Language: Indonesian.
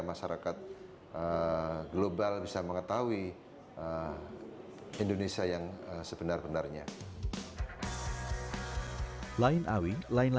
berbeda dengan channel lain